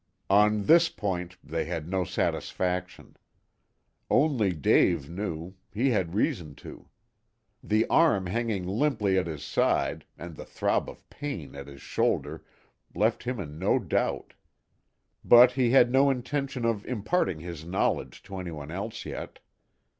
On this point they had no satisfaction. Only Dave knew he had reason to. The arm hanging limply at his side, and the throb of pain at his shoulder left him in no doubt. But he had no intention of imparting his knowledge to any one else yet.